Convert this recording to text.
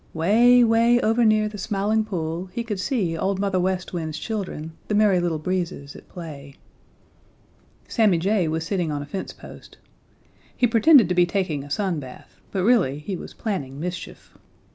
Way, way over near the Smiling Pool he could see Old Mother West Wind's Children, the Merry Little Breezes, at play. Sammy Jay was sitting on a fence post. He pretended to be taking a sun bath, but really he was planning mischief.